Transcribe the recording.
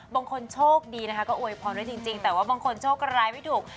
บางคนโชคดีนะคะก็อวยพรไว้จริงแต่ว่าบางคนโชคร้ายไม่ถูก